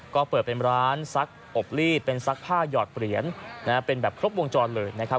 ก็เปิดเป็นร้านซักอบลีดเป็นซักผ้าหยอดเหรียญเป็นแบบครบวงจรเลยนะครับ